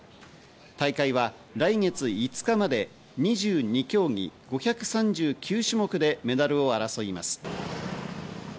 大会は来月５日まで、２２競技５３９種目でメダルを争います。